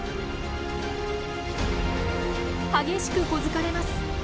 激しく小突かれます。